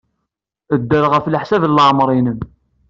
Dder ɣef leḥsab n leɛmeṛ-nnem.